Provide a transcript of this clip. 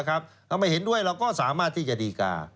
เราไม่เห็นด้วยเราก็สามารถที่จะดีการ์